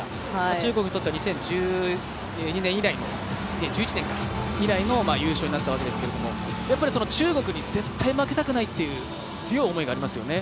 中国にとっては２０１１年以来の優勝になったわけですけどやっぱり、中国に絶対負けたくないという強い思いがありますよね。